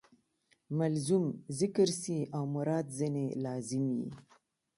ملزوم ذکر سي او مراد ځني لازم يي.